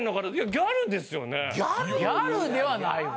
ギャルではないわ。